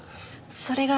それが。